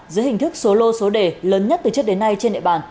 dưới hình thức số lô số đề lớn nhất từ trước đến nay trên địa bàn